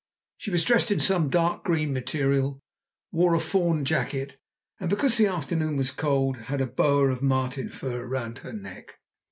She was dressed in some dark green material, wore a fawn jacket, and, because the afternoon was cold, had a boa of marten fur round her neck.